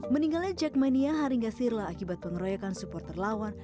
meninggalnya jack mania haringa sirla akibat pengeroyakan supporter lawan